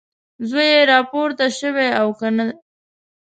زوی یې راپورته شوی او که نه؟